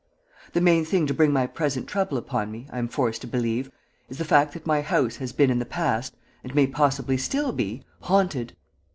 The main thing to bring my present trouble upon me, I am forced to believe, is the fact that my house has been in the past, and may possibly still be, haunted.